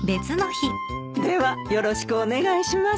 ではよろしくお願いします。